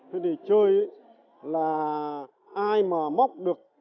thế thì chơi là ai mà móc được